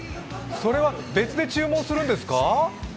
それは別で注文するんですか？